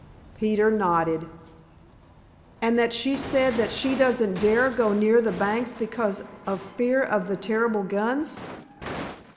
Peter nodded. "And that she said that she doesn't dare go near the banks because of fear of the terrible guns?"